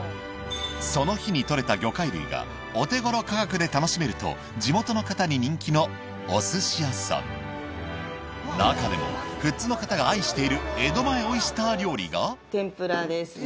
その日にとれた魚介類がお手ごろ価格で楽しめると地元の方に人気のお寿司屋さん中でも富津の方が愛している江戸前オイスター料理が天ぷらですね